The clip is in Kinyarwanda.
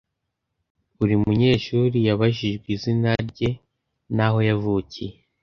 Buri munyeshuri yabajijwe izina rye n’aho yavukiye.